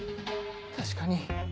確かに。